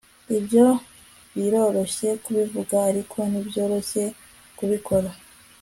Ibyo biroroshye kubivuga ariko ntibyoroshye kubikora